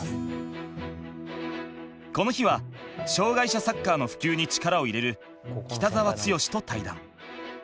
この日は障がい者サッカーの普及に力を入れる北澤豪と対談。